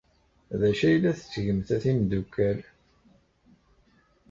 D acu ay la tettgemt a timeddukal?